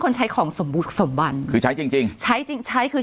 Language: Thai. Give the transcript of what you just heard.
ใช้ของสมบุกสมบัติคือใช้จริงจริงใช้จริงใช้คือ